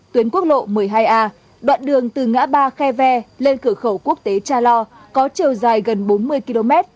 tuyến quốc lộ một mươi hai a đoạn đường từ ngã ba khe ve lên cửa khẩu quốc tế cha lo có chiều dài gần bốn mươi km